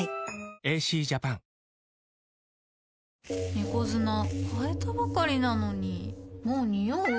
猫砂替えたばかりなのにもうニオう？